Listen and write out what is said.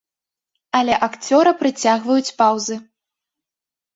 Але акцёра прыцягваюць паўзы.